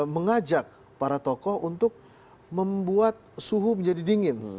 mengajak para tokoh untuk membuat suhu menjadi dingin